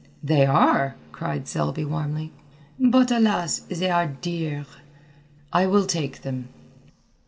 "They are!" cried Selby warmly. "But alas, they are dear." "I will take them."